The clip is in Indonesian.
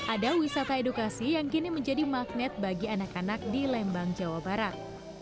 ada wisata edukasi yang kini menjadi magnet bagi anak anak di lembang jawa barat